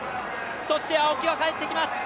そして青木が帰ってきます。